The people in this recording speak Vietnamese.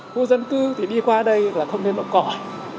khu dân cư thì đi qua đây là không nên bóp còi